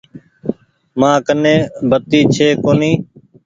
مآن ڪني بتي ڇي ڪونيٚ۔